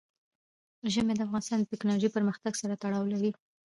ژمی د افغانستان د تکنالوژۍ پرمختګ سره تړاو لري.